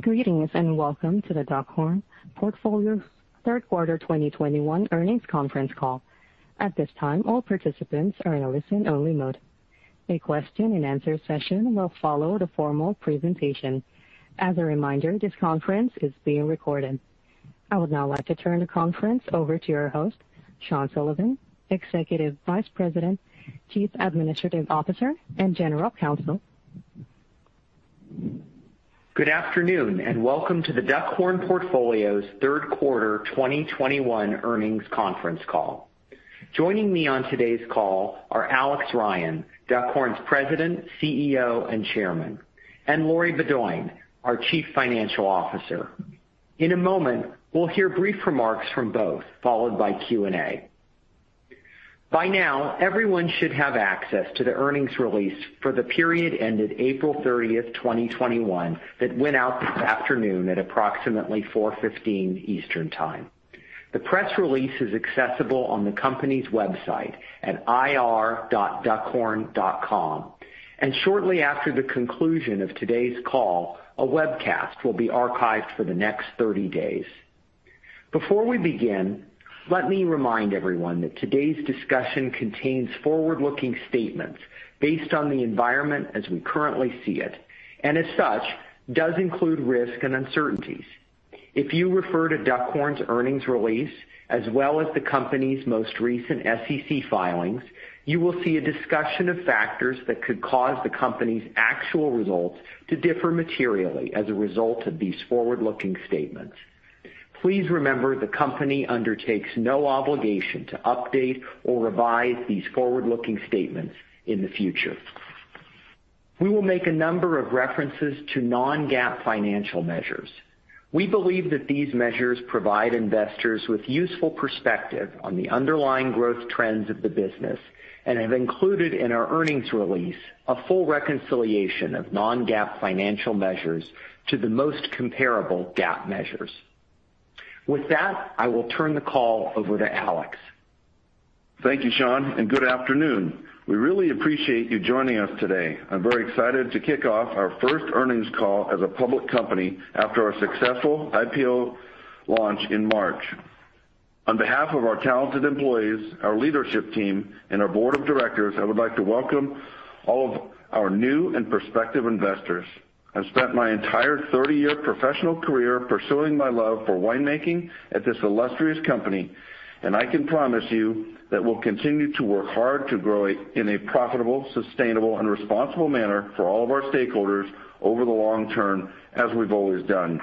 Greetings. Welcome to The Duckhorn Portfolio Third Quarter 2021 Earnings Conference Call. At this time, all participants are in a listen only mode. A question and answer session will follow the formal presentation. As a reminder, this conference is being recorded. I would now like to turn the conference over to your host, Sean Sullivan, Executive Vice President, Chief Administrative Officer, and General Counsel. Good afternoon, welcome to The Duckhorn Portfolio's Third Quarter 2021 Earnings Conference Call. Joining me on today's call are Alex Ryan, Duckhorn's President, CEO, and Chairman, and Lori Beaudoin, our Chief Financial Officer. In a moment, we'll hear brief remarks from both, followed by Q&A. By now, everyone should have access to the earnings release for the period ended April 30th, 2021, that went out this afternoon at approximately 4:15 P.M. Eastern Time. The press release is accessible on the company's website at ir.duckhorn.com, and shortly after the conclusion of today's call, a webcast will be archived for the next 30 days. Before we begin, let me remind everyone that today's discussion contains forward-looking statements based on the environment as we currently see it, and as such, does include risk and uncertainties. If you refer to Duckhorn's earnings release, as well as the company's most recent SEC filings, you will see a discussion of factors that could cause the company's actual results to differ materially as a result of these forward-looking statements. Please remember the company undertakes no obligation to update or revise these forward-looking statements in the future. We will make a number of references to non-GAAP financial measures. We believe that these measures provide investors with useful perspective on the underlying growth trends of the business and have included in our earnings release a full reconciliation of non-GAAP financial measures to the most comparable GAAP measures. With that, I will turn the call over to Alex. Thank you, Sean, good afternoon. We really appreciate you joining us today. I'm very excited to kick off our first earnings call as a public company after our successful IPO launch in March. On behalf of our talented employees, our leadership team, and our board of directors, I would like to welcome all of our new and prospective investors. I've spent my entire 30-year professional career pursuing my love for winemaking at this illustrious company, and I can promise you that we'll continue to work hard to grow it in a profitable, sustainable, and responsible manner for all of our stakeholders over the long term, as we've always done.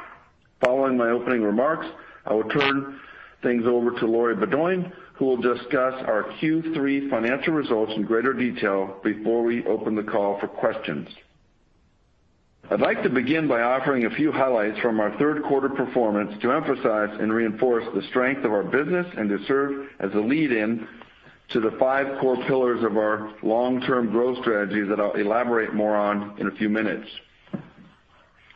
Following my opening remarks, I will turn things over to Lori Beaudoin, who will discuss our Q3 financial results in greater detail before we open the call for questions. I'd like to begin by offering a few highlights from our third quarter performance to emphasize and reinforce the strength of our business and to serve as a lead in to the five core pillars of our long-term growth strategy that I'll elaborate more on in a few minutes.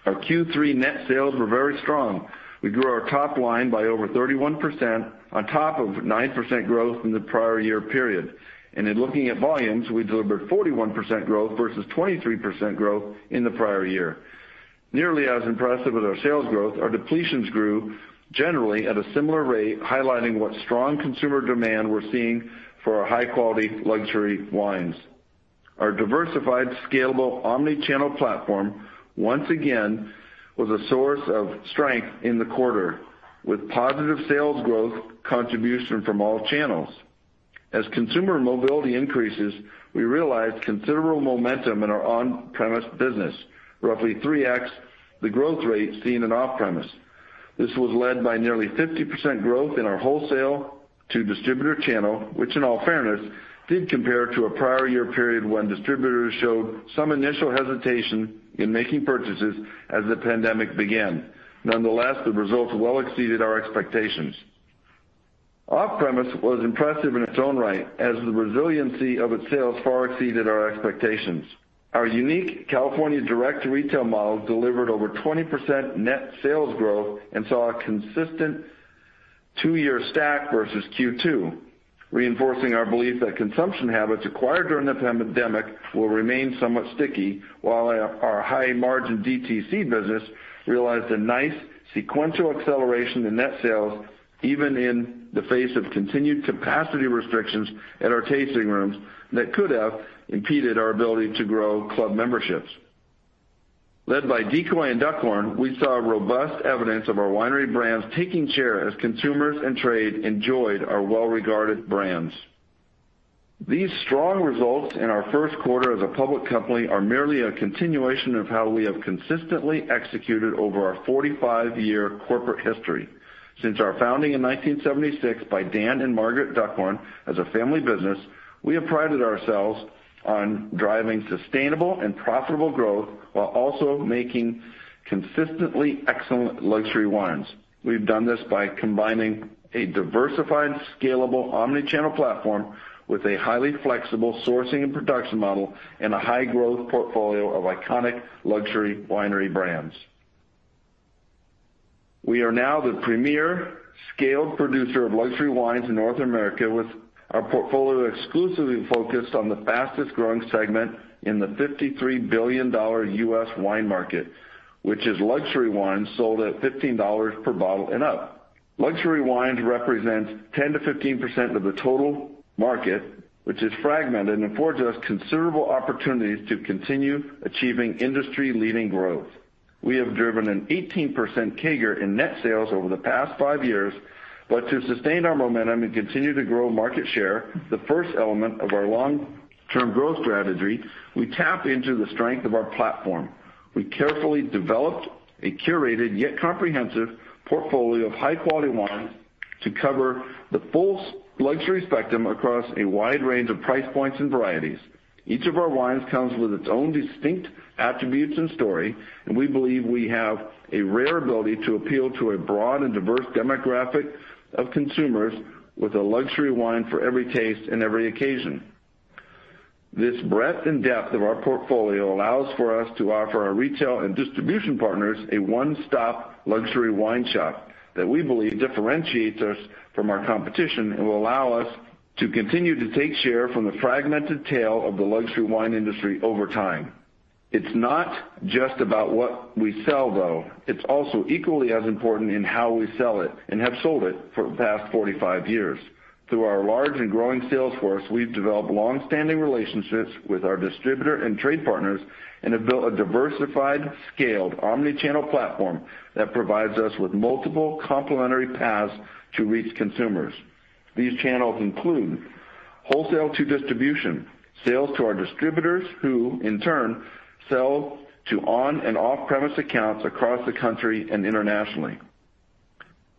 Our Q3 net sales were very strong. We grew our top line by over 31% on top of 9% growth in the prior year period. And in looking at volumes, we delivered 41% growth versus 23% growth in the prior year. Nearly as impressive with our sales growth, our depletions grew generally at a similar rate, highlighting what strong consumer demand we're seeing for our high quality luxury wines. Our diversified, scalable omni-channel platform, once again, was a source of strength in the quarter with positive sales growth contribution from all channels. As consumer mobility increases, we realized considerable momentum in our on-premise business, roughly 3x the growth rate seen in off-premise. This was led by nearly 50% growth in our wholesale to distributor channel, which in all fairness, did compare to a prior year period when distributors showed some initial hesitation in making purchases as the pandemic began. Nonetheless, the results well exceeded our expectations. Off-premise was impressive in its own right as the resiliency of its sales far exceeded our expectations. Our unique California direct-to-retail model delivered over 20% net sales growth and saw a consistent two year stack versus Q2, reinforcing our belief that consumption habits acquired during the pandemic will remain somewhat sticky while our high margin DTC business realized a nice sequential acceleration in net sales even in the face of continued capacity restrictions at our tasting rooms that could have impeded our ability to grow club memberships. Led by Decoy and Duckhorn, we saw robust evidence of our winery brands taking share as consumers and trade enjoyed our well-regarded brands. These strong results in our first quarter as a public company are merely a continuation of how we have consistently executed over our 45-year corporate history. Since our founding in 1976 by Dan and Margaret Duckhorn as a family business, we have prided ourselves on driving sustainable and profitable growth while also making consistently excellent luxury wines. We've done this by combining a diversified, scalable omni-channel platform with a highly flexible sourcing and production model and a high growth portfolio of iconic luxury winery brands. We are now the premier scaled producer of luxury wines in North America, with our portfolio exclusively focused on the fastest-growing segment in the $53 billion US wine market, which is luxury wine sold at $15 per bottle and up. Luxury wines represent 10%-15% of the total market, which is fragmented and affords us considerable opportunities to continue achieving industry-leading growth. We have driven an 18% CAGR in net sales over the past five years. To sustain our momentum and continue to grow market share, the first element of our long-term growth strategy, we tap into the strength of our platform. We carefully developed a curated yet comprehensive portfolio of high-quality wines to cover the full luxury spectrum across a wide range of price points and varieties. Each of our wines comes with its own distinct attributes and story, and we believe we have a rare ability to appeal to a broad and diverse demographic of consumers with a luxury wine for every taste and every occasion. This breadth and depth of our portfolio allows for us to offer our retail and distribution partners a one-stop luxury wine shop that we believe differentiates us from our competition and will allow us to continue to take share from the fragmented tail of the luxury wine industry over time. It's not just about what we sell, though. It's also equally as important in how we sell it and have sold it for the past 45 years. Through our large and growing sales force, we've developed longstanding relationships with our distributor and trade partners and have built a diversified, scaled, omni-channel platform that provides us with multiple complementary paths to reach consumers. These channels include wholesale-to-distribution, sales to our distributors, who in turn sell to on and off-premise accounts across the country and internationally.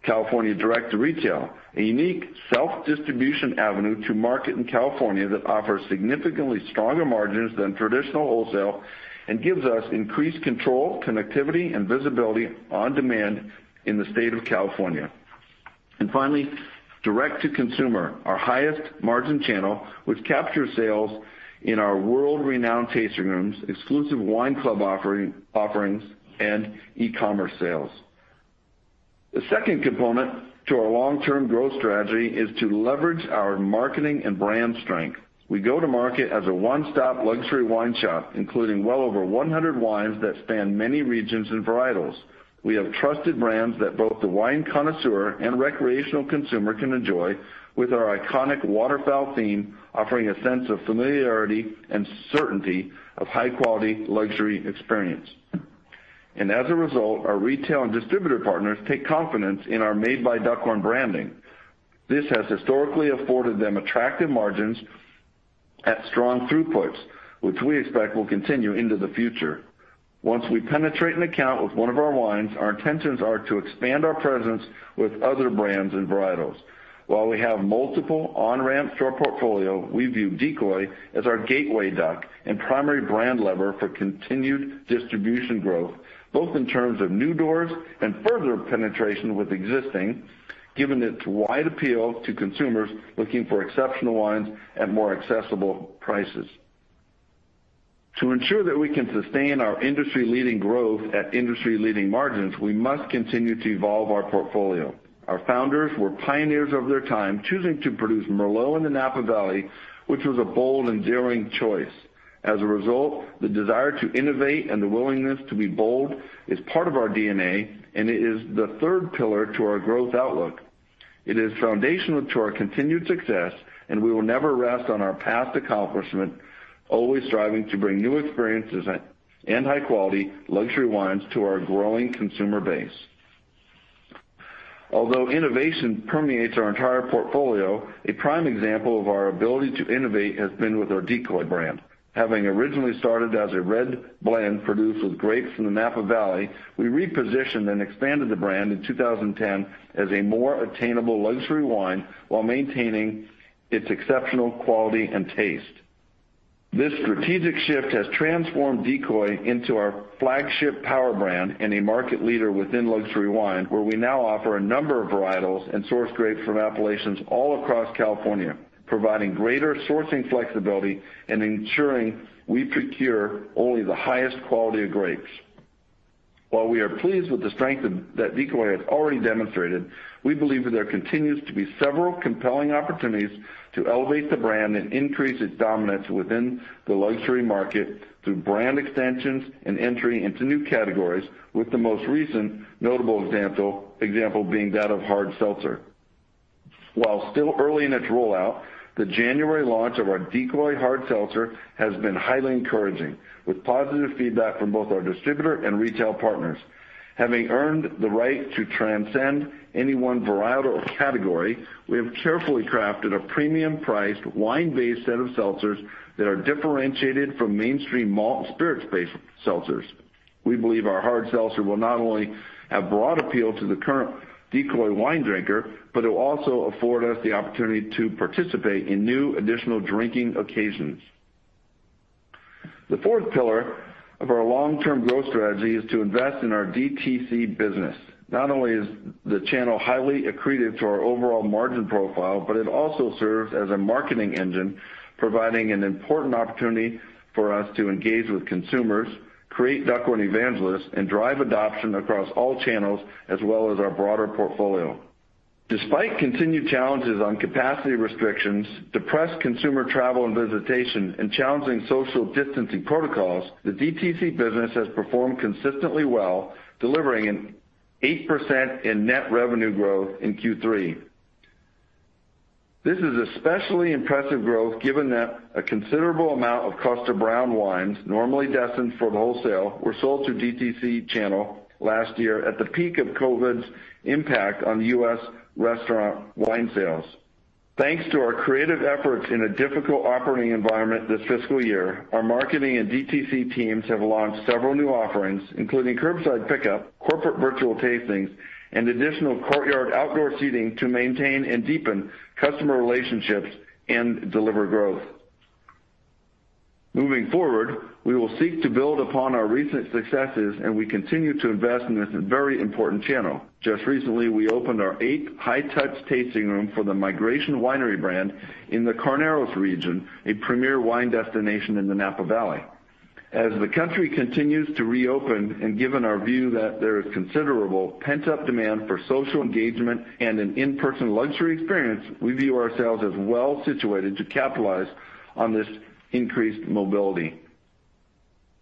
California direct-to-retail, a unique self-distribution avenue to market in California that offers significantly stronger margins than traditional wholesale and gives us increased control, connectivity, and visibility on demand in the state of California. Finally, direct-to-consumer, our highest margin channel, which captures sales in our world-renowned tasting rooms, exclusive wine club offerings, and e-commerce sales. The second component to our long-term growth strategy is to leverage our marketing and brand strength. We go to market as a one-stop luxury wine shop, including well over 100 wines that span many regions and varietals. We have trusted brands that both the wine connoisseur and recreational consumer can enjoy with our iconic waterfowl theme offering a sense of familiarity and certainty of high-quality luxury experience. As a result, our retail and distributor partners take confidence in our made by Duckhorn branding. This has historically afforded them attractive margins at strong throughputs, which we expect will continue into the future. Once we penetrate an account with one of our wines, our intentions are to expand our presence with other brands and varietals. While we have multiple on-ramps to our portfolio, we view Decoy as our gateway duck and primary brand lever for continued distribution growth, both in terms of new doors and further penetration with existing, given its wide appeal to consumers looking for exceptional wines at more accessible prices. To ensure that we can sustain our industry-leading growth at industry-leading margins, we must continue to evolve our portfolio. Our founders were pioneers of their time, choosing to produce Merlot in the Napa Valley, which was a bold and daring choice. As a result, the desire to innovate and the willingness to be bold is part of our DNA, and it is the third pillar to our growth outlook. It is foundational to our continued success, and we will never rest on our past accomplishment, always striving to bring new experiences and high-quality luxury wines to our growing consumer base. Although innovation permeates our entire portfolio, a prime example of our ability to innovate has been with our Decoy brand. Having originally started as a red blend produced with grapes from the Napa Valley, we repositioned and expanded the brand in 2010 as a more attainable luxury wine while maintaining its exceptional quality and taste. This strategic shift has transformed Decoy into our flagship power brand and a market leader within luxury wine, where we now offer a number of varietals and source grapes from appellations all across California, providing greater sourcing flexibility and ensuring we procure only the highest quality of grapes. While we are pleased with the strength that Decoy has already demonstrated, we believe there continues to be several compelling opportunities to elevate the brand and increase its dominance within the luxury market through brand extensions and entry into new categories, with the most recent notable example being that of hard seltzer. While still early in its rollout, the January launch of our Decoy Premium Seltzer has been highly encouraging, with positive feedback from both our distributor and retail partners. Having earned the right to transcend any one varietal category, we have carefully crafted a premium-priced, wine-based set of seltzers that are differentiated from mainstream malt and spirit-based seltzers. We believe our hard seltzer will not only have broad appeal to the current Decoy wine drinker, but it will also afford us the opportunity to participate in new additional drinking occasions. The fourth pillar of our long-term growth strategy is to invest in our DTC business. Not only is the channel highly accretive to our overall margin profile, but it also serves as a marketing engine, providing an important opportunity for us to engage with consumers, create Duckhorn evangelists, and drive adoption across all channels, as well as our broader portfolio. Despite continued challenges on capacity restrictions, depressed consumer travel and visitation, and challenging social distancing protocols, the DTC business has performed consistently well, delivering an 8% in net revenue growth in Q3. This is especially impressive growth given that a considerable amount of Kosta Browne wines, normally destined for the wholesale, were sold through DTC channel last year at the peak of COVID's impact on US restaurant wine sales. Thanks to our creative efforts in a difficult operating environment this fiscal year, our marketing and DTC teams have launched several new offerings, including curbside pickup, corporate virtual tastings, and additional courtyard outdoor seating to maintain and deepen customer relationships and deliver growth. Moving forward, we will seek to build upon our recent successes, and we continue to invest in this very important channel. Just recently, we opened our eighth high-touch tasting room for the Migration Winery brand in the Carneros region, a premier wine destination in the Napa Valley. As the country continues to reopen, and given our view that there is considerable pent-up demand for social engagement and an in-person luxury experience, we view ourselves as well situated to capitalize on this increased mobility.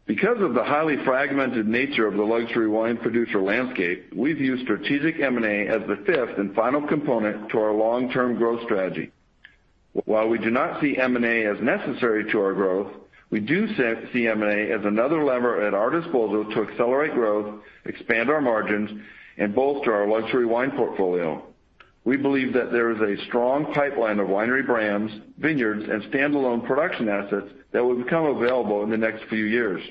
Because of the highly fragmented nature of the luxury wine producer landscape, we view strategic M&A as the fifth and final component to our long-term growth strategy. While we do not see M&A as necessary to our growth, we do see M&A as another lever at our disposal to accelerate growth, expand our margins, and bolster our luxury wine portfolio. We believe that there is a strong pipeline of winery brands, vineyards, and standalone production assets that will become available in the next few years.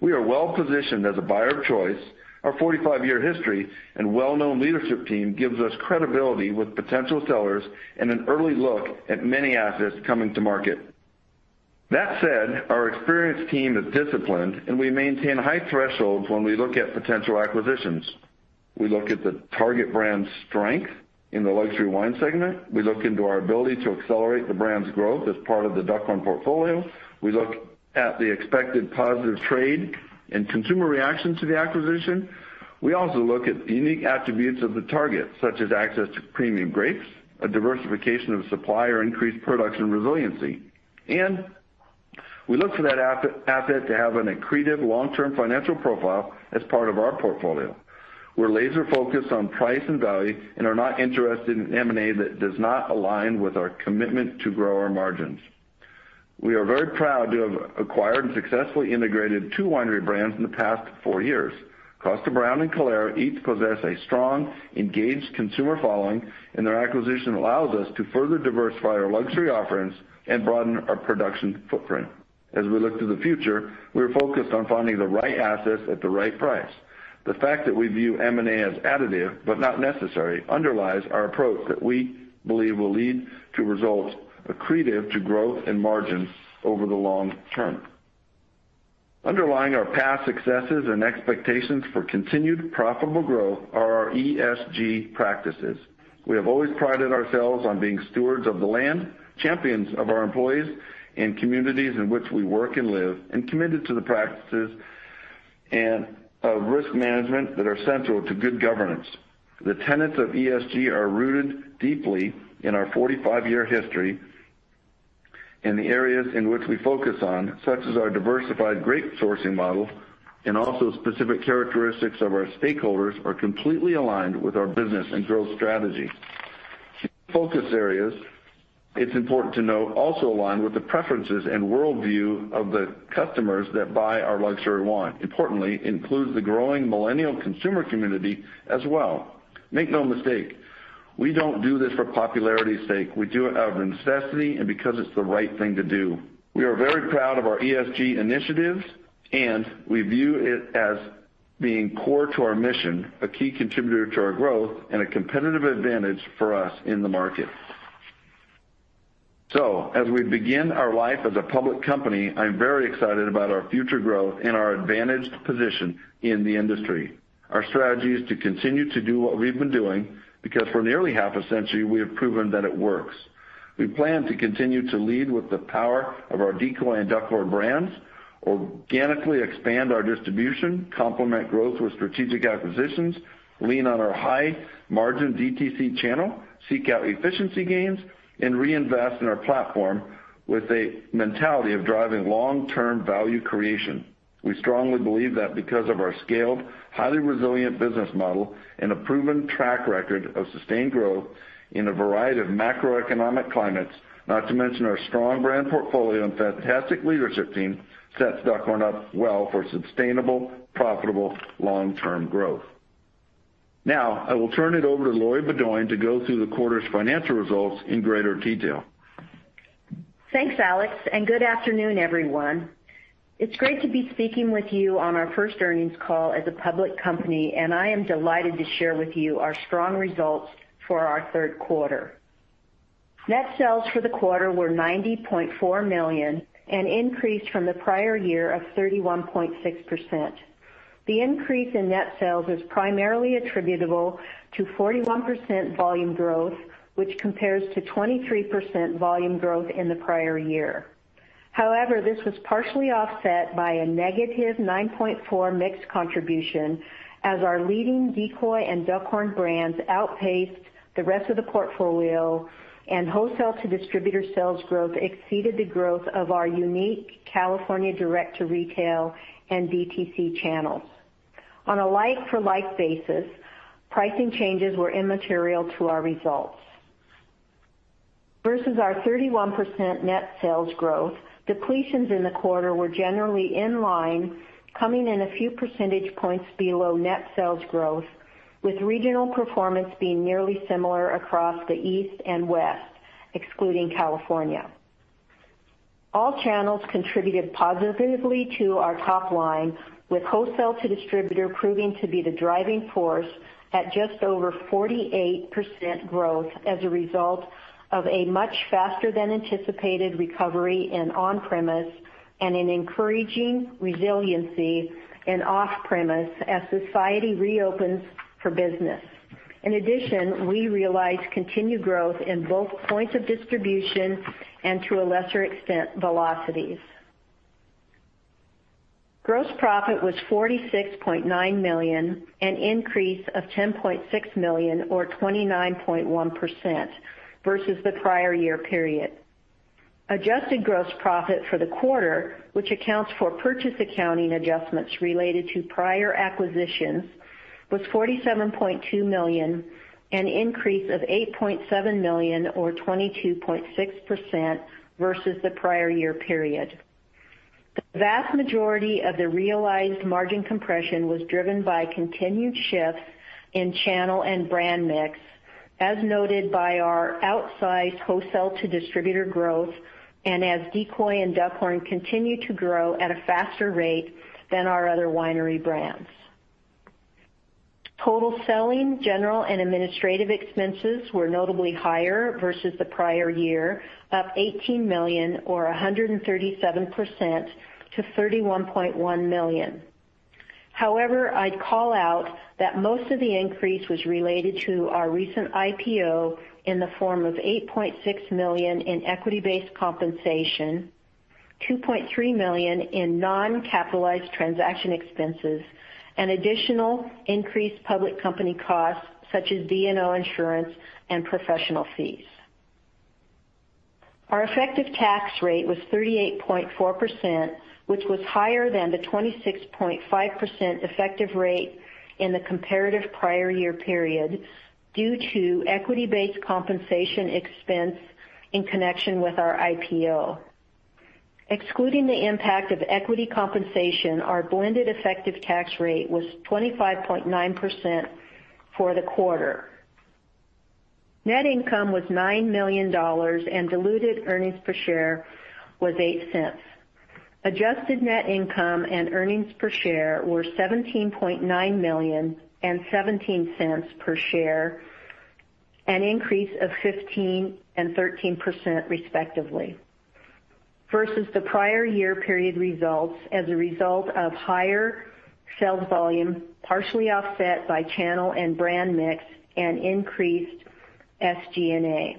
We are well-positioned as a buyer of choice. Our 45-year history and well-known leadership team gives us credibility with potential sellers and an early look at many assets coming to market. That said, our experienced team is disciplined, and we maintain high thresholds when we look at potential acquisitions. We look at the target brand's strength in the luxury wine segment. We look into our ability to accelerate the brand's growth as part of The Duckhorn Portfolio. We look at the expected positive trade and consumer reaction to the acquisition. We also look at the unique attributes of the target, such as access to premium grapes, a diversification of supply or increased production resiliency. And we look for that asset to have an accretive long-term financial profile as part of our portfolio. We're laser-focused on price and value and are not interested in M&A that does not align with our commitment to grow our margins. We are very proud to have acquired and successfully integrated two winery brands in the past four years. Kosta Browne and Calera each possess a strong, engaged consumer following, and their acquisition allows us to further diversify our luxury offerings and broaden our production footprint. As we look to the future, we're focused on finding the right assets at the right price. The fact that we view M&A as additive, but not necessary, underlies our approach that we believe will lead to results accretive to growth and margins over the long term. Underlying our past successes and expectations for continued profitable growth are our ESG practices. We have always prided ourselves on being stewards of the land, champions of our employees and communities in which we work and live, and committed to the practices of risk management that are central to good governance. The tenets of ESG are rooted deeply in our 45-year history, the areas in which we focus on, such as our diversified grape sourcing model and also specific characteristics of our stakeholders, are completely aligned with our business and growth strategy. These focus areas, it's important to note, also align with the preferences and worldview of the customers that buy our luxury wine. Importantly, it includes the growing millennial consumer community as well. Make no mistake, we don't do this for popularity's sake. We do it out of necessity and because it's the right thing to do. We are very proud of our ESG initiatives, and we view it as being core to our mission, a key contributor to our growth, and a competitive advantage for us in the market. As we begin our life as a public company, I'm very excited about our future growth and our advantaged position in the industry. Our strategy is to continue to do what we've been doing, because for nearly half a century, we have proven that it works. We plan to continue to lead with the power of our Decoy and Duckhorn brands, organically expand our distribution, complement growth with strategic acquisitions, lean on our high-margin DTC channel, seek out efficiency gains, and reinvest in our platform with a mentality of driving long-term value creation. We strongly believe that because of our scaled, highly resilient business model and a proven track record of sustained growth in a variety of macroeconomic climates, not to mention our strong brand portfolio and fantastic leadership team, sets Duckhorn up well for sustainable, profitable long-term growth. Now, I will turn it over to Lori Beaudoin to go through the quarter's financial results in greater detail. Thanks, Alex, and good afternoon, everyone. It's great to be speaking with you on our first earnings call as a public company, and I am delighted to share with you our strong results for our third quarter. Net sales for the quarter were $90.4 million, an increase from the prior year of 31.6%. The increase in net sales is primarily attributable to 41% volume growth, which compares to 23% volume growth in the prior year. This was partially offset by a -9.4% mixed contribution as our leading Decoy and Duckhorn brands outpaced the rest of the portfolio, and wholesale to distributor sales growth exceeded the growth of our unique California direct-to-retail and DTC channels. On a like-for-like basis, pricing changes were immaterial to our results. Versus our 31% net sales growth, depletions in the quarter were generally in line, coming in a few percentage points below net sales growth, with regional performance being nearly similar across the East and West, excluding California. All channels contributed positively to our top line, with wholesale to distributor proving to be the driving force at just over 48% growth as a result of a much faster than anticipated recovery in on-premise, and an encouraging resiliency in off-premise as society reopens for business. In addition, we realized continued growth in both points of distribution and to a lesser extent, velocities. Gross profit was $46.9 million, an increase of $10.6 million or 29.1% versus the prior year period. Adjusted gross profit for the quarter, which accounts for purchase accounting adjustments related to prior acquisitions, was $47.2 million, an increase of $8.7 million or 22.6% versus the prior year period. The vast majority of the realized margin compression was driven by continued shifts in channel and brand mix, as noted by our outsized wholesale to distributor growth, and as Decoy and Duckhorn continue to grow at a faster rate than our other winery brands. Total selling, general, and administrative expenses were notably higher versus the prior year, up $18 million or 137%-$31.1 million. However, I call out that most of the increase was related to our recent IPO in the form of $8.6 million in equity-based compensation, $2.3 million in non-capitalized transaction expenses, and additional increased public company costs such as D&O insurance and professional fees. Our effective tax rate was 38.4%, which was higher than the 26.5% effective rate in the comparative prior year period due to equity-based compensation expense in connection with our IPO. Excluding the impact of equity compensation, our blended effective tax rate was 25.9% for the quarter. Net income was $9 million and diluted earnings per share was $0.08. Adjusted net income and earnings per share were $17.9 million and $0.17 per share, an increase of 15% and 13% respectively versus the prior year period results as a result of higher sales volume, partially offset by channel and brand mix and increased SG&A.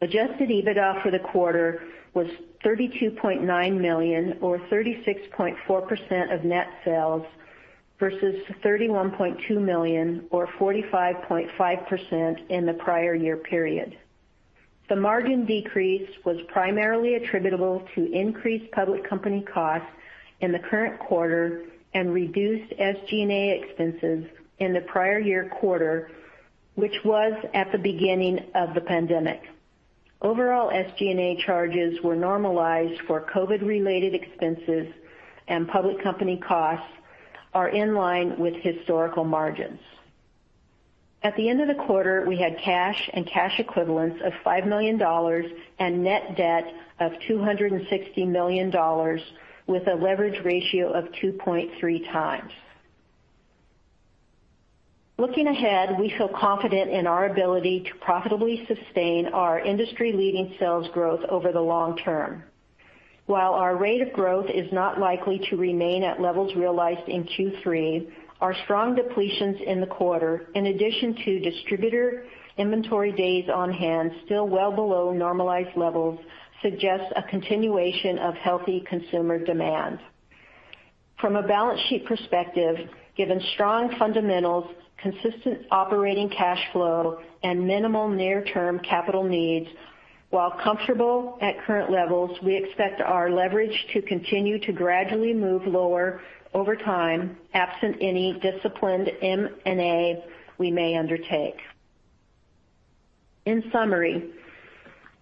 Adjusted EBITDA for the quarter was $32.9 million or 36.4% of net sales versus $31.2 million or 45.5% in the prior year period. The margin decrease was primarily attributable to increased public company costs in the current quarter and reduced SG&A expenses in the prior year quarter, which was at the beginning of the pandemic. Overall SG&A charges were normalized for COVID related expenses, and public company costs are in line with historical margins. At the end of the quarter, we had cash and cash equivalents of $5 million and net debt of $260 million, with a leverage ratio of 2.3x. Looking ahead, we feel confident in our ability to profitably sustain our industry-leading sales growth over the long term. While our rate of growth is not likely to remain at levels realized in Q3, our strong depletions in the quarter, in addition to distributor inventory days on hand still well below normalized levels, suggests a continuation of healthy consumer demand. From a balance sheet perspective, given strong fundamentals, consistent operating cash flow, and minimal near-term capital needs, while comfortable at current levels, we expect our leverage to continue to gradually move lower over time, absent any disciplined M&A we may undertake. In summary,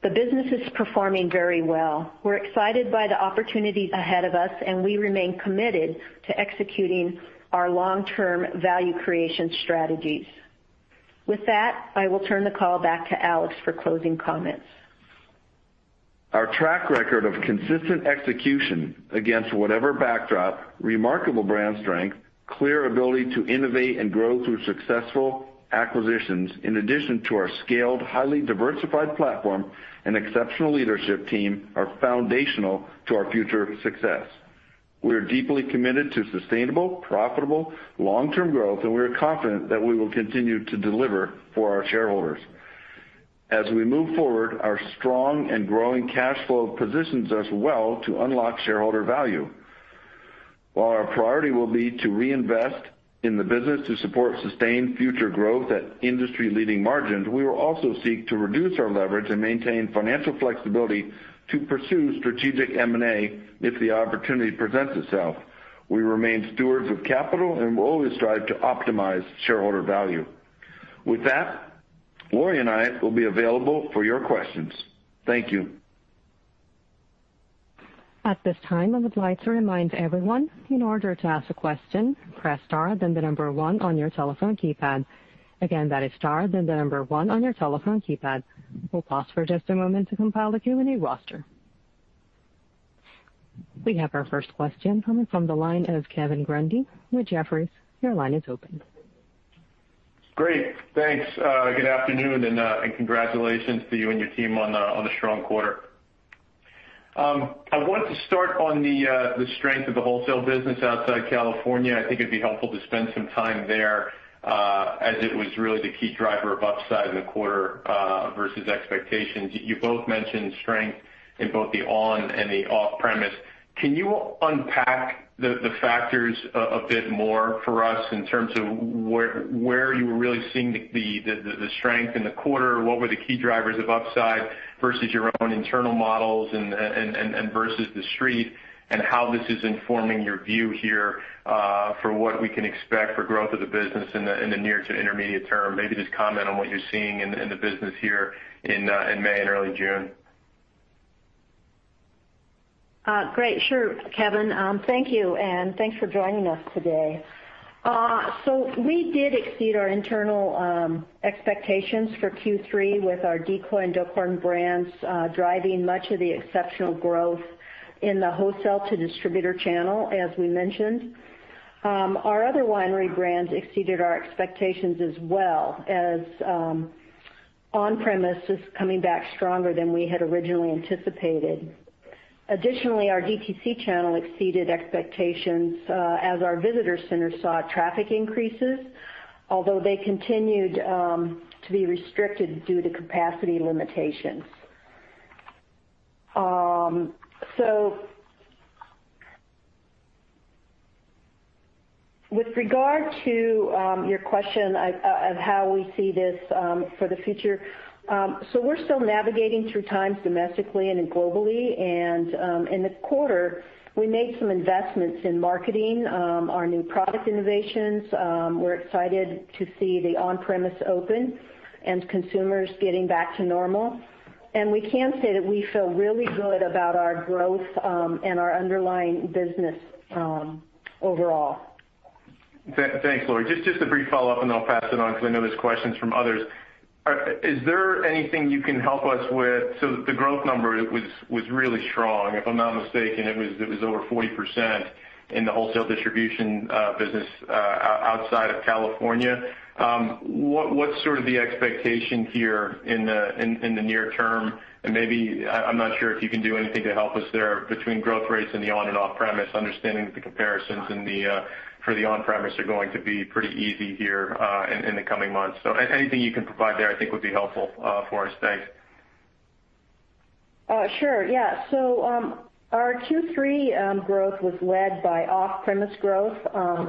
the business is performing very well. We're excited by the opportunities ahead of us. We remain committed to executing our long-term value creation strategies. With that, I will turn the call back to Alex for closing comments. Our track record of consistent execution against whatever backdrop, remarkable brand strength, clear ability to innovate and grow through successful acquisitions, in addition to our scaled, highly diversified platform and exceptional leadership team, are foundational to our future success. We are deeply committed to sustainable, profitable, long-term growth, and we are confident that we will continue to deliver for our shareholders. As we move forward, our strong and growing cash flow positions us well to unlock shareholder value. While our priority will be to reinvest in the business to support sustained future growth at industry-leading margins, we will also seek to reduce our leverage and maintain financial flexibility to pursue strategic M&A if the opportunity presents itself. We remain stewards of capital and will always strive to optimize shareholder value. With that, Lori and I will be available for your questions. Thank you. At this time, I would like to remind everyone, in order to ask a question, press star, then the number one on your telephone keypad. Again, that is star, then the number 1 on your telephone keypad. We will pause for just a moment to compile the queue. We will start. We have our first question coming from the line of Kevin Grundy with Jefferies. Your line is open. Great. Thanks. Good afternoon, congratulations to you and your team on the strong quarter. I wanted to start on the strength of the wholesale business outside California. I think it'd be helpful to spend some time there, as it was really the key driver of upside in the quarter versus expectations. You both mentioned strength in both the on and the off-premise. Can you unpack the factors a bit more for us in terms of where you were really seeing the strength in the quarter? What were the key drivers of upside versus your own internal models and versus The Street, and how this is informing your view here for what we can expect for growth of the business in the near to intermediate term? Maybe just comment on what you're seeing in the business here in May and early June. Great. Sure, Kevin. Thank you, and thanks for joining us today. We did exceed our internal expectations for Q3 with our Duckhorn and Decoy brands driving much of the exceptional growth in the wholesale to distributor channel, as we mentioned. Our other winery brands exceeded our expectations as well, as on-premise is coming back stronger than we had originally anticipated. Additionally, our DTC channel exceeded expectations as our visitor center saw traffic increases, although they continued to be restricted due to capacity limitations. With regard to your question on how we see this for the future, we're still navigating through times domestically and globally. In the quarter, we made some investments in marketing our new product innovations. We're excited to see the on-premise open and consumers getting back to normal. We can say that we feel really good about our growth and our underlying business overall. Thanks, Lori. Just a brief follow-up, and I'll pass it on because I know there's questions from others. Is there anything you can help us with? The growth number was really strong. If I'm not mistaken, it was over 40% in the wholesale distribution business outside of California. What's sort of the expectation here in the near term? Maybe, I'm not sure if you can do anything to help us there between growth rates and the on and off-premise, understanding that the comparisons for the on-premise are going to be pretty easy here in the coming months. Anything you can provide there I think would be helpful for us. Thanks. Sure. Yeah. Our Q3 growth was led by off-premise growth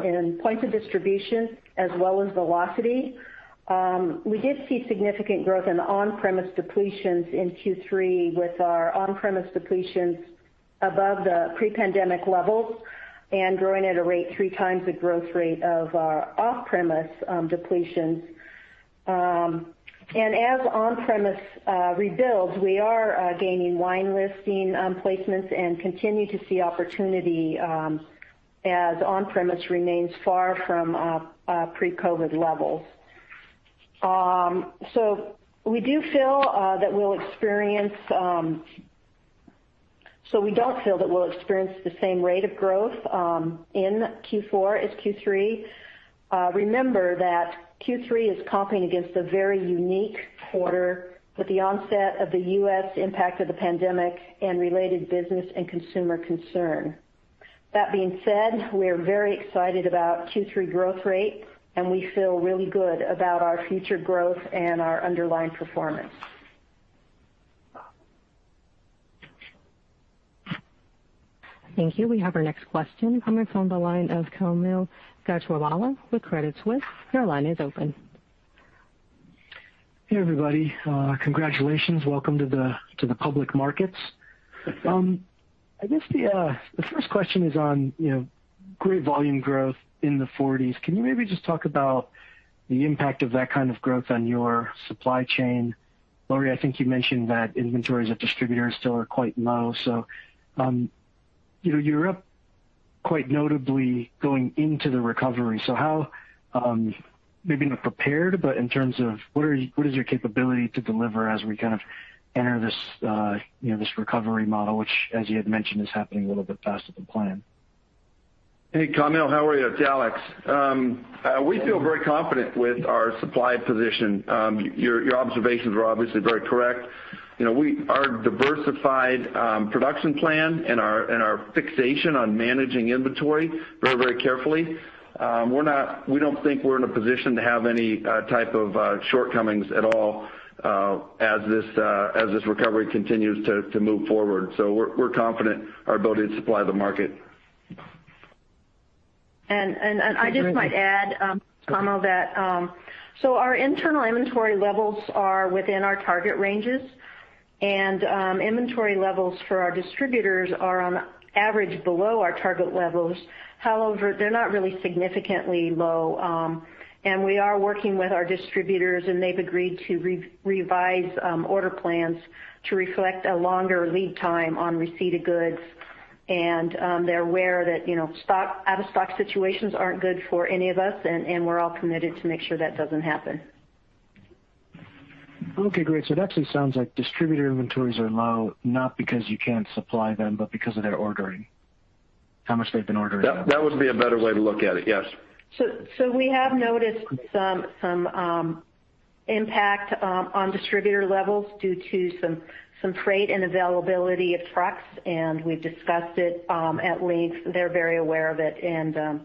in points of distribution as well as velocity. We did see significant growth in on-premise depletions in Q3 with our on-premise depletions above the pre-pandemic levels and growing at a rate three times the growth rate of our off-premise depletions. As on-premise rebuilds, we are gaining wine listing placements and continue to see opportunity as on-premise remains far from pre-COVID levels. We don't feel that we'll experience the same rate of growth in Q4 as Q3. Remember that Q3 is competing against a very unique quarter with the onset of the US impact of the pandemic and related business and consumer concern. That being said, we are very excited about Q3 growth rates, and we feel really good about our future growth and our underlying performance. Thank you. We have our next question coming from the line of Kaumil Gajrawala with Credit Suisse. Your line is open. Hey, everybody. Congratulations. Welcome to the public markets. I guess the first question is on great volume growth in the 40s. Can you maybe just talk about the impact of that kind of growth on your supply chain? Lori, I think you mentioned that inventories at distributors still are quite low. You're up quite notably going into the recovery. How, maybe not prepared, but in terms of what is your capability to deliver as we enter this recovery model, which, as you had mentioned, is happening a little bit faster than planned? Hey, Kaumil. How are you? It's Alex. We feel very confident with our supply position. Your observations are obviously very correct. Our diversified production plan and our fixation on managing inventory very, very carefully, we don't think we're in a position to have any type of shortcomings at all as this recovery continues to move forward. We're confident in our ability to supply the market. I just might add, Kaumil, that our internal inventory levels are within our target ranges, and inventory levels for our distributors are on average below our target levels. However, they're not really significantly low. We are working with our distributors, and they've agreed to revise order plans to reflect a longer lead time on receipt of goods. They're aware that out-of-stock situations aren't good for any of us, and we're all committed to make sure that doesn't happen. Okay, great. That actually sounds like distributor inventories are low, not because you can't supply them, but because of their ordering, how much they've been ordering. That would be a better way to look at it, yes. We have noticed some impact on distributor levels due to some freight and availability effects, and we discussed it at length. They're very aware of it, and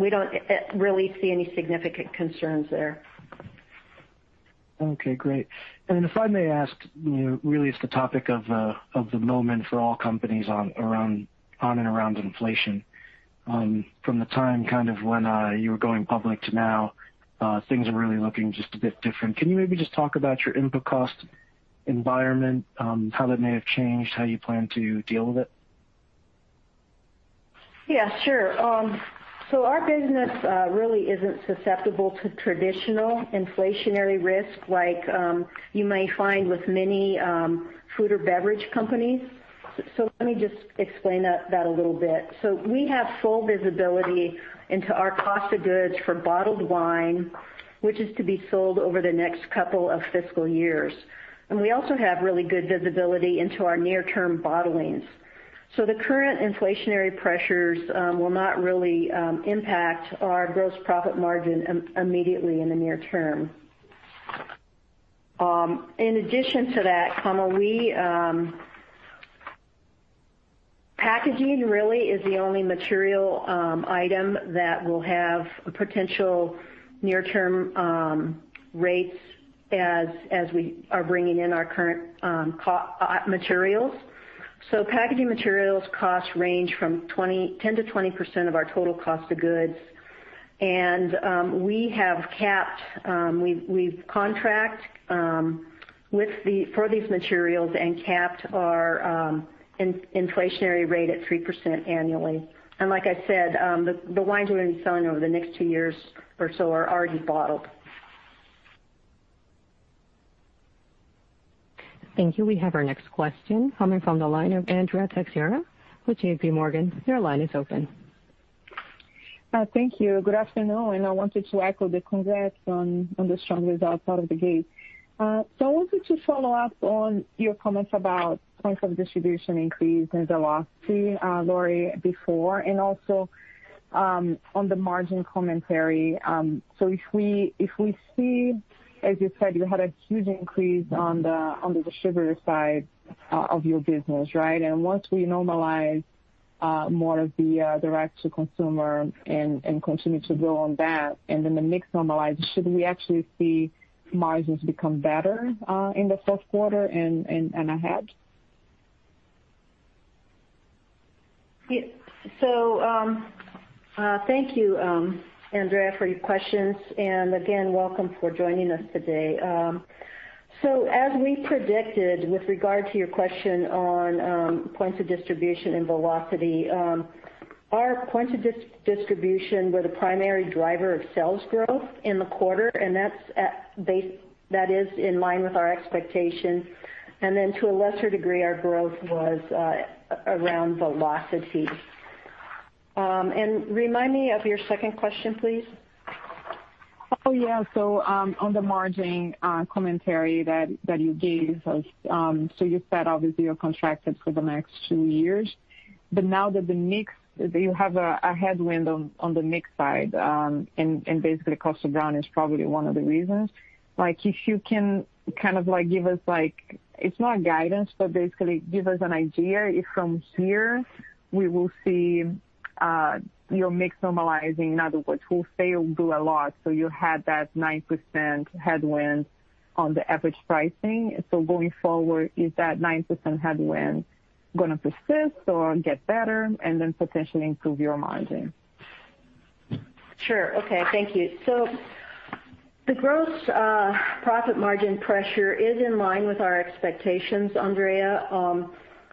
we don't really see any significant concerns there. Okay, great. If I may ask, really it's the topic of the moment for all companies on and around inflation. From the time when you were going public to now, things are really looking just a bit different. Can you maybe just talk about your input cost environment, how that may have changed, how you plan to deal with it? Yeah, sure. Our business really isn't susceptible to traditional inflationary risk like you may find with many food or beverage companies. Let me just explain that a little bit. We have full visibility into our cost of goods for bottled wine, which is to be sold over the next couple of fiscal years. We also have really good visibility into our near-term bottlings. The current inflationary pressures will not really impact our gross profit margin immediately in the near term. In addition to that, Kaumil, packaging really is the only material item that will have potential near-term rates as we are bringing in our current materials. Packaging materials cost range from 10%-20% of our total cost of goods. And we have capped we've contract for these materials and capped our inflationary rate at 3% annually. Like I said, the wine we're going to be selling over the next two years or so are already bottled. Thank you. We have our next question coming from the line of Andrea Teixeira with JPMorgan. Thank you. Good afternoon. I wanted to echo the congrats on the strong results out of the gate. I wanted to follow up on your comments about points of distribution increase and velocity, Lori, before, and also on the margin commentary. If we see, as you said, you had a huge increase on the distributor side of your business, right, and once we normalize more of the direct-to-consumer and continue to build on that, and then the mix normalize, should we actually see margins become better in the first quarter and ahead? Yeah. Thank you, Andrea, for your questions. Again, welcome for joining us today. As we predicted, with regard to your question on points of distribution and velocity, our points of distribution were the primary driver of sales growth in the quarter, and that is in line with our expectations. Then to a lesser degree, our growth was around velocity. Remind me of your second question, please. On the margin commentary that you gave. You said obviously you're contracted for the next two years. Now that you have a headwind on the mix side, and basically Kosta Browne is probably one of the reasons. If you can kind of give us, it's not guidance, but basically give us an idea if from here we will see your mix normalizing. In other words, we'll say you'll do a lot, you had that 9% headwind on the average pricing. Going forward, is that 9% headwind going to persist or get better and then potentially improve your margin? Sure. Okay. Thank you. The gross profit margin pressure is in line with our expectations, Andrea.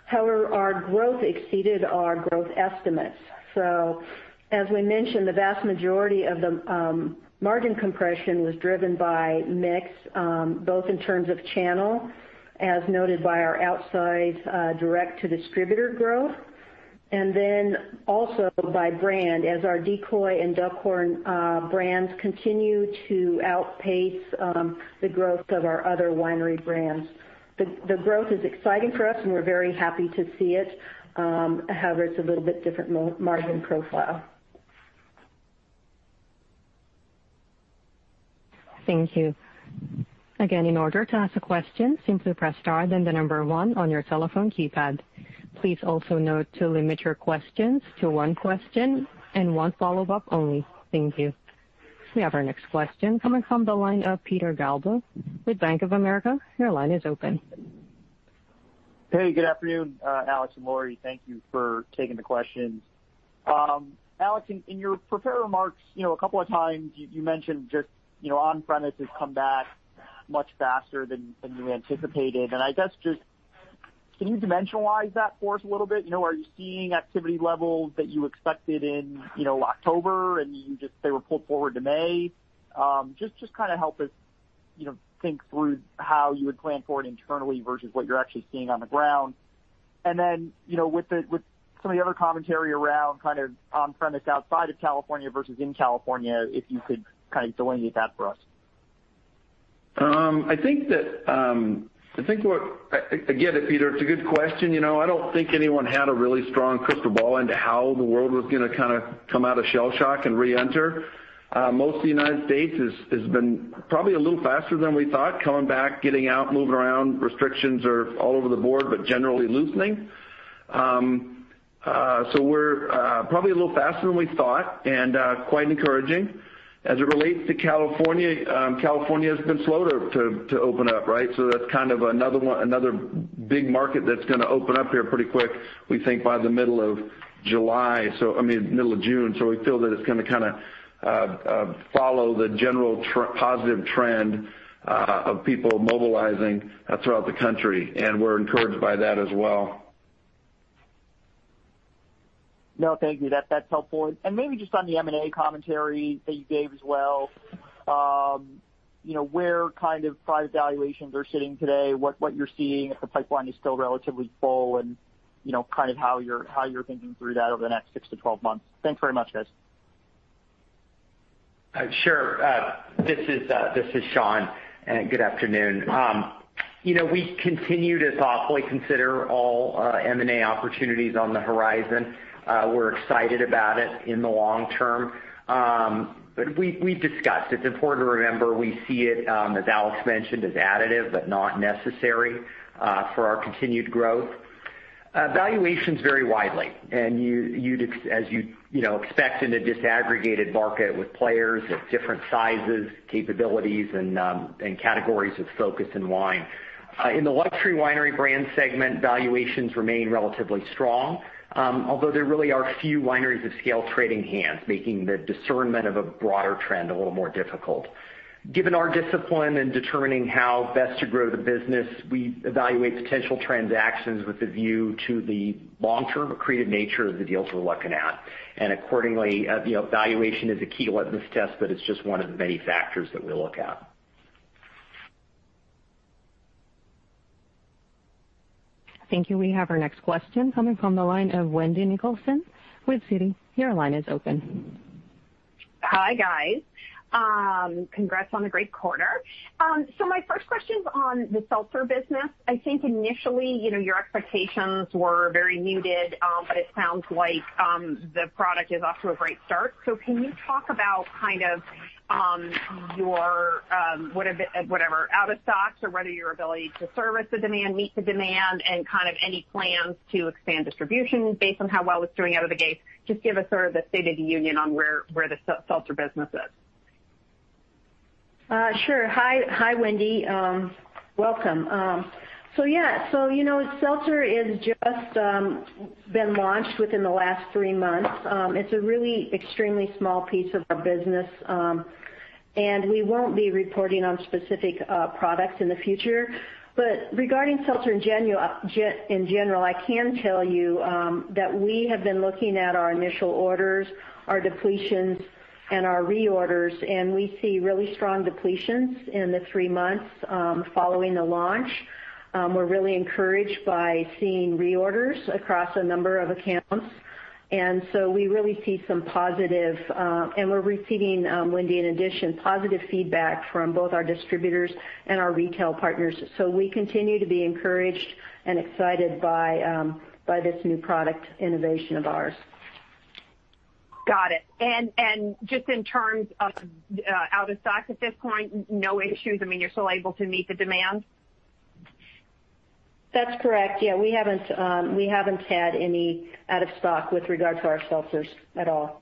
However, our growth exceeded our growth estimates. As we mentioned, the vast majority of the margin compression was driven by mix, both in terms of channel, as noted by our outside direct-to-distributor growth, and also by brand as our Decoy and Duckhorn brands continue to outpace the growth of our other winery brands. The growth is exciting for us, and we're very happy to see it. However, it's a little bit different margin profile. Thank you. Again, in order to ask a question, simply press star, then the number one on your telephone keypad. Please also note to limit your questions to one question and one follow-up only. Thank you. We have our next question coming from the line of Peter Galbo with Bank of America. Your line is open. Hey, good afternoon, Alex and Lori. Thank you for taking the questions. Alex, in your prepared remarks, a couple of times you mentioned just on-premise has come back much faster than you anticipated. I guess just can you dimensionalize that for us a little bit? Are you seeing activity levels that you expected in October, and you can just say were pulled forward to May? Just to kind of help us think through how you would plan for it internally versus what you're actually seeing on the ground. With some of the other commentary around kind of on-premise outside of California versus in California, if you could kind of delineate that for us. Peter, it's a good question. I don't think anyone had a really strong crystal ball into how the world was going to kind of come out of shell shock and re-enter. Most of the United States has been probably a little faster than we thought, coming back, getting out, moving around. Restrictions are all over the board, but generally loosening. We're probably a little faster than we thought and quite encouraging. As it relates to California has been slower to open up, right? That's kind of another big market that's going to open up here pretty quick, we think by the middle of June. We feel that it's going to kind of follow the general positive trend of people mobilizing throughout the country, and we're encouraged by that as well. No, thank you. That's helpful. Maybe just on the M&A commentary that you gave as well, where kind of price valuations are sitting today, what you're seeing if the pipeline is still relatively full, and kind of how you're thinking through that over the next 6-12 months. Thanks very much, guys. Sure. This is Sean Sullivan, good afternoon. We continue to thoughtfully consider all M&A opportunities on the horizon. We're excited about it in the long term. We've discussed, it's important to remember, we see it, as Alex mentioned, as additive but not necessary for our continued growth. Valuations vary widely, as you'd expect in a disaggregated market with players of different sizes, capabilities, and categories of focus in wine. In the luxury winery brand segment, valuations remain relatively strong. Although there really are few wineries of scale trading hands, making the discernment of a broader trend a little more difficult. Given our discipline in determining how best to grow the business, we evaluate potential transactions with a view to the long-term accretive nature of the deals we're looking at. And accordingly, valuation is a key to what this does, but it's just one of the many factors that we look at. Thank you. We have our next question coming from the line of Wendy Nicholson with Citi. Wendy, your line is open. Hi, guys. Congrats on the great quarter. My first question is on the seltzer business. I think initially, your expectations were very muted, but it sounds like the product is off to a great start. Can you talk about kind of your, whatever, out of stocks or whether your ability to service the demand, meet the demand, and kind of any plans to expand distribution based on how well it's doing out of the gate? Just give us sort of the state of the union on where the seltzer business is. Sure. Hi, Wendy. Welcome. So yeah. Seltzer is just been launched within the last three months. It's a really extremely small piece of our business. We won't be reporting on specific products in the future. Regarding seltzer in general, I can tell you that we have been looking at our initial orders, our depletions, and our reorders. We see really strong depletions in the three months following the launch. We're really encouraged by seeing reorders across a number of accounts. We're receiving, Wendy, in addition, positive feedback from both our distributors and our retail partners. We continue to be encouraged and excited by this new product innovation of ours. Got it. Just in terms of out of stock at this point, no issues. I mean, you're still able to meet the demand? That's correct. Yeah. We haven't had any out of stock with regard to our seltzers at all.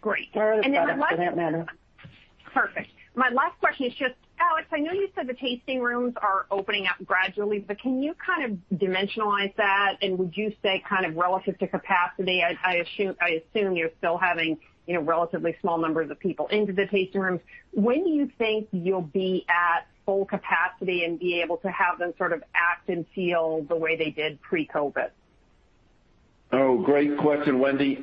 Great. Products for that matter. Perfect. My last question is just, Alex, I know you said the tasting rooms are opening up gradually, but can you kind of dimensionalize that? Would you say kind of relative to capacity? I assume you're still having relatively small numbers of people into the tasting rooms. When do you think you'll be at full capacity and be able to have them sort of act and feel the way they did pre-COVID? Oh, great question, Wendy.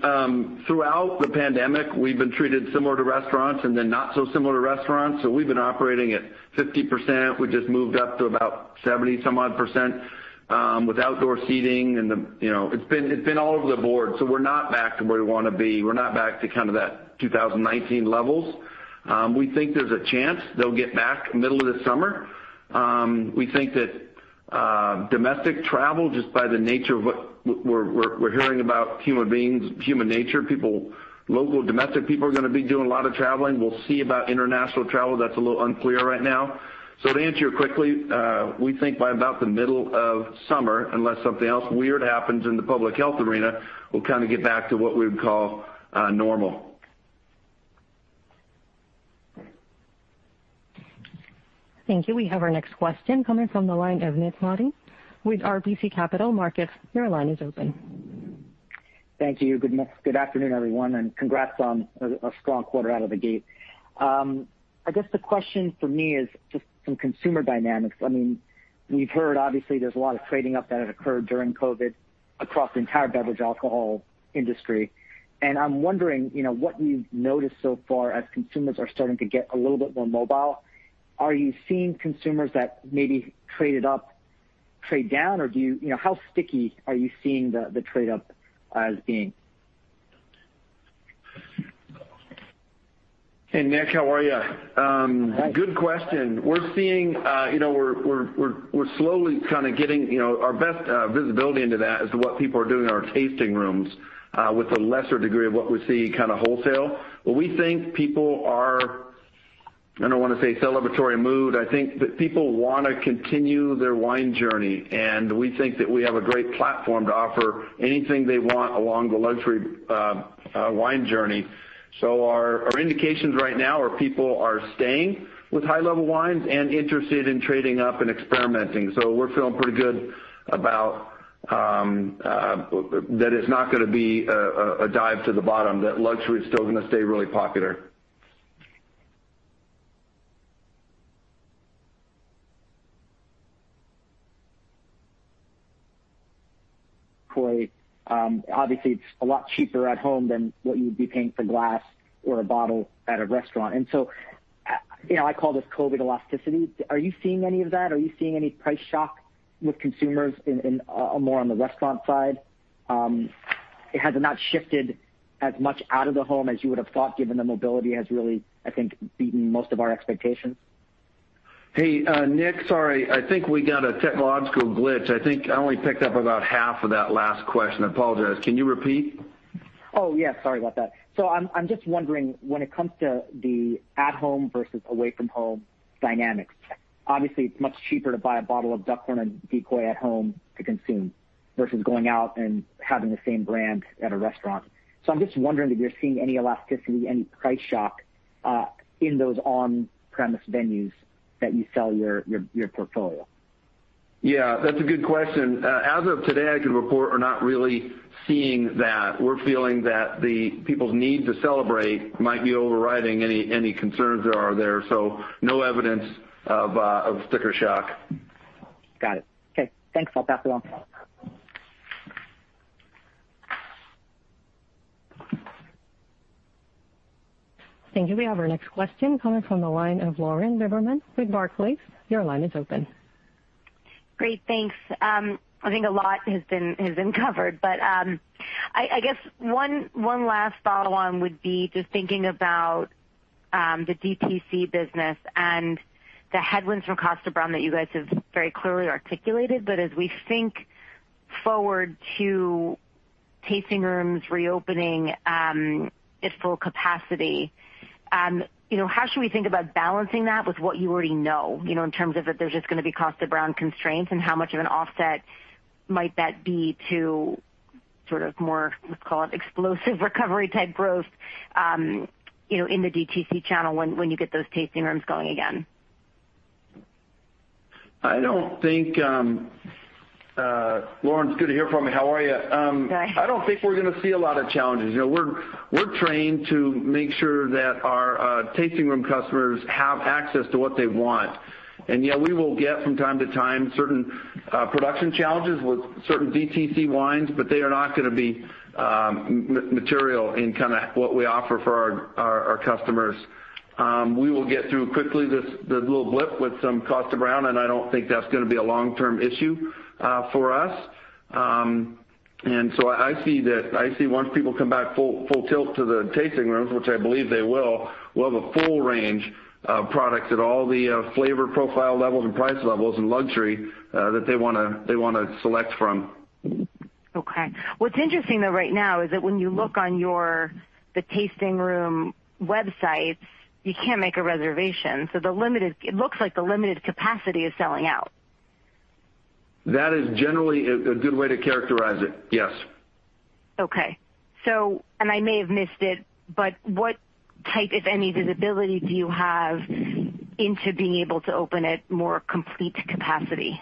Throughout the pandemic, we've been treated similar to restaurants and then not so similar to restaurants. We've been operating at 50%. We just moved up to about 70% some odd with outdoor seating and it's been all over the board. We're not back to where we want to be. We're not back to that 2019 levels. We think there's a chance they'll get back middle of this summer. We think that domestic travel, just by the nature of what we're hearing about human beings, human nature, people, local domestic people are going to be doing a lot of traveling. We'll see about international travel. That's a little unclear right now. To answer quickly, we think by about the middle of summer, unless something else weird happens in the public health arena, we'll kind of get back to what we would call normal. Thank you. We have our next question coming from the line of Nik Modi with RBC Capital Markets. Your line is open. Thank you. Good afternoon, everyone, and congrats on a strong quarter out of the gate. I guess the question for me is just some consumer dynamics. We've heard obviously there's a lot of trading up that occurred during COVID across the entire beverage alcohol industry, and I'm wondering what you've noticed so far as consumers are starting to get a little bit more mobile. Are you seeing consumers that maybe traded up trade down? How sticky are you seeing the trade up as being? Hey, Nik, how are you? Good question. We're slowly kind of getting our best visibility into that is what people are doing in our tasting rooms, with a lesser degree of what we're seeing kind of wholesale. We think people are, I don't want to say celebratory mood. I think that people want to continue their wine journey, and we think that we have a great platform to offer anything they want along the luxury wine journey. Our indications right now are people are staying with high-level wines and interested in trading up and experimenting. We're feeling pretty good about that it's not going to be a dive to the bottom, that luxury is still going to stay really popular. Obviously, it's a lot cheaper at home than what you'd be paying for glass or a bottle at a restaurant. I call this COVID elasticity. Are you seeing any of that? Are you seeing any price shock with consumers more on the restaurant side? Has the amount shifted as much out of the home as you would have thought, given the mobility has really, I think, beaten most of our expectations? Hey, Nik, sorry, I think we got a technological glitch. I think I only picked up about half of that last question. I apologize. Can you repeat? Oh, yeah, sorry about that. I'm just wondering when it comes to the at home versus away from home dynamics, obviously it's much cheaper to buy a bottle of Duckhorn and Decoy at home to consume versus going out and having the same brand at a restaurant. I'm just wondering if you're seeing any elasticity, any price shock in those on-premise venues that you sell your portfolio. Yeah, that's a good question. As of today, I can report we're not really seeing that. We're feeling that the people's need to celebrate might be overriding any concerns that are there. No evidence of sticker shock. Got it. Okay, thanks. Thank you. We have our next question coming from the line of Lauren Lieberman with Barclays. Your line is open. Great, thanks. I think a lot has been covered, but I guess one last follow on would be just thinking about the DTC business and the headwinds from Kosta Browne that you guys have very clearly articulated. As we think forward to tasting rooms reopening at full capacity, how should we think about balancing that with what you already know in terms of that there's just going to be Kosta Browne constraints and how much of an offset might that be to sort of more, let's call it explosive recovery type growth in the DTC channel when you get those tasting rooms going again? Lauren, it's good to hear from you. How are you? Hi. I don't think we're going to see a lot of challenges. We're trained to make sure that our tasting room customers have access to what they want. Yeah, we will get from time to time certain production challenges with certain DTC wines, but they are not going to be material in what we offer for our customers. We will get through quickly this little blip with some Kosta Browne, and I don't think that's going to be a long-term issue for us. I see once people come back full tilt to the tasting rooms, which I believe they will, we'll have a full range of products at all the flavor profile levels and price levels and luxury that they want to select from. Okay. What's interesting though right now is that when you look on the tasting room websites, you can't make a reservation. It looks like the limited capacity is selling out. That is generally a good way to characterize it, yes. Okay. I may have missed it, but what type of any visibility do you have into being able to open at more complete capacity?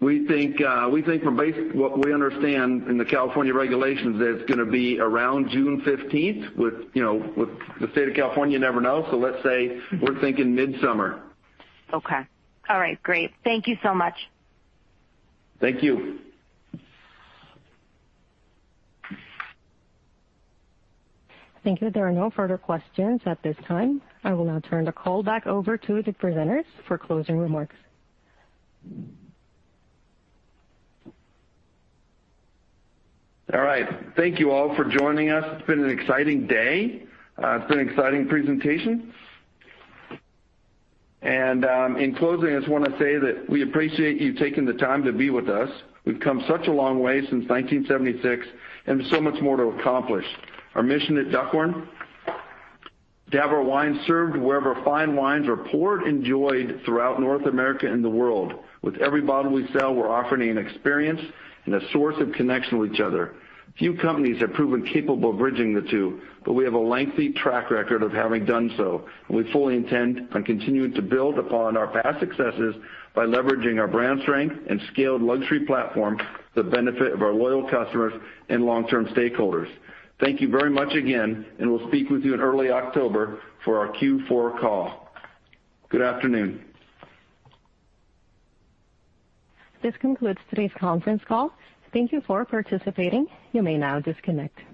We think from what we understand in the California regulations, that it's going to be around June 15th. With the state of California, you never know. Let's say we're thinking midsummer. Okay. All right, great. Thank you so much. Thank you. Thank you. There are no further questions at this time. I will now turn the call back over to the presenters for closing remarks. All right. Thank you all for joining us. It's been an exciting day. It's been an exciting presentation. In closing, I just want to say that we appreciate you taking the time to be with us. We've come such a long way since 1976 and there's so much more to accomplish. Our mission at Duckhorn, to have our wine served wherever fine wines are poured and enjoyed throughout North America and the world. With every bottle we sell, we're offering an experience and a source of connection with each other. Few companies have proven capable of bridging the two, but we have a lengthy track record of having done so, and we fully intend on continuing to build upon our past successes by leveraging our brand strength and scaled luxury platform to the benefit of our loyal customers and long-term stakeholders. Thank you very much again, and we'll speak with you in early October for our Q4 call. Good afternoon. This concludes today's conference call. Thank you for participating. You may now disconnect.